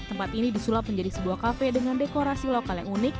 tempat ini disulap menjadi sebuah kafe dengan dekorasi lokal yang unik